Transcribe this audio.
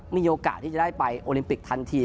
มีโอกาสที่จะได้ไปโอลิมปิกทันที